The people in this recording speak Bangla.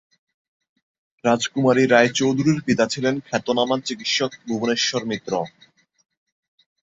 রাজকুমারী রায়চৌধুরীর পিতা ছিলেন খ্যাতনামা চিকিৎসক ভুবনেশ্বর মিত্র।